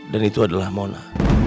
dan itu adalah mona